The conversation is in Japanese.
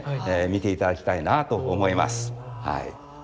見ていただきたいなあと思います。